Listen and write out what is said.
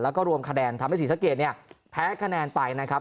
แล้วก็รวมคะแนนทำให้ศรีสะเกดเนี่ยแพ้คะแนนไปนะครับ